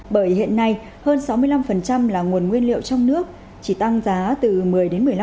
bởi hiện nay hơn sáu mươi năm là nguồn nguyên liệu trong nước chỉ tăng giá từ một mươi đến một mươi năm